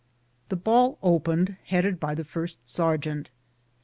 The ball opened, headed by the first sergeant.